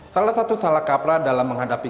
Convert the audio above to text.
salah satu salah kaprah dalam menghadapi